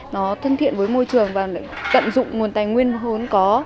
nó thân thiện với môi trường và cận dụng nguồn tài nguyên hốn có